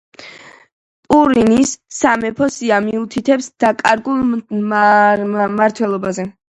ტურინის სამეფო სია მიუთითებს „დაკარგულ“ მმართველებზე.